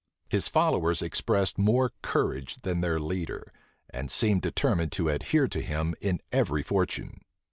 His followers expressed more courage than their leader, and seemed determined to adhere to him in every fortune.